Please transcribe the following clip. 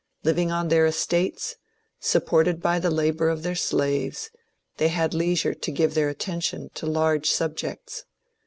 Living on their estates, sup ported by the labour of their slaves, they had leisure to give their attention to large subjects.